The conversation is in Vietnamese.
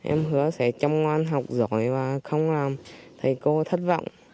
em hứa sẽ chăm ngoan học giỏi và không làm thầy cô thất vọng